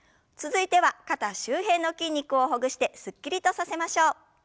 続いては肩周辺の筋肉をほぐしてすっきりとさせましょう。